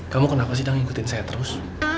kamu kenapa sih dang ngikutin saya terus